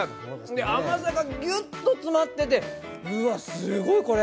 で、甘さがギュッと詰まってて、ウワッ、すごいこれ。